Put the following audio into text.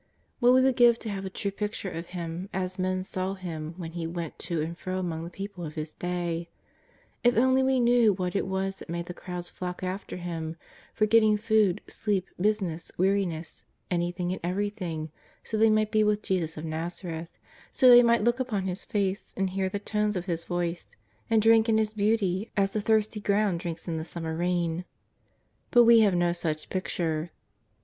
What we would give to have a true picture of Him as men saw Him when He went to and fro among the people of His day ! If only we knew what it was that made the crowds flock after Him, forgetting food, sleep, business, weariness, anything and everything so they might be with Jesus of IN'azareth, so they might look upon His Face, and hear the tones of His Voice, and drink in His beauty as the thirsty ground drinks in the summer rain! But we have no such picture.